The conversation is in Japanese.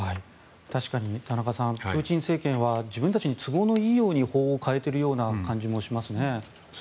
確かに田中さんプーチン政権は自分たちに都合のいいように法を変えている感じもしますね。